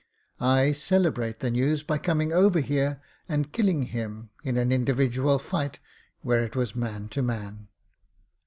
I celebrate the news by coming over here and killing him, in an individual fight where it was man to man."